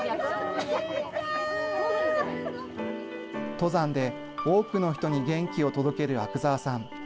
登山で多くの人に元気を届ける阿久澤さん。